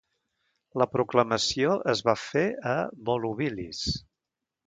La proclamació es va fer a Volubilis.